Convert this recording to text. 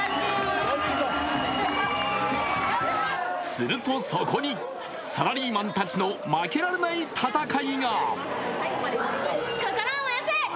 すると、そこにサラリーマンたちの負けられない戦いが。